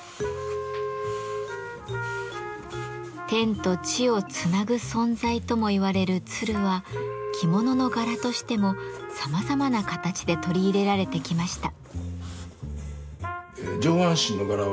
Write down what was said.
「天と地をつなぐ存在」とも言われる鶴は着物の柄としてもさまざまな形で取り入れられてきました。